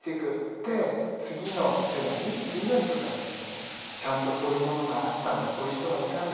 で次の世代次の人たちにもちゃんとこういうものがあったんだこういう人がいたんだ